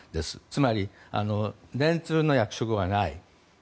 つまり、電通の役職はない。